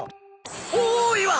多いわ！